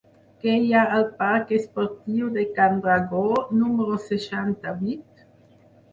Què hi ha al parc Esportiu de Can Dragó número seixanta-vuit?